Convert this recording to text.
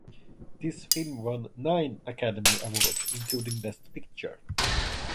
This film won nine Academy Awards, including Best Picture.